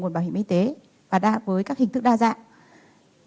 của bảo hiểm y tế và đa với các hình thức đa dạng